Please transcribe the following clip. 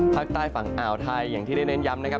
พักใต้ฝั่งอ่าวไทยอย่างที่ได้เน้นย้ำ